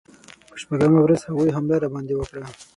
په شپږمه ورځ هغوی حمله راباندې وکړه.